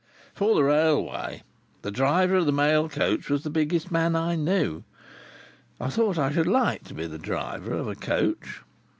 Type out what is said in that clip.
Before the railway, the driver of the mail coach was the biggest man I knew. I thought I should like to be the driver of a coach.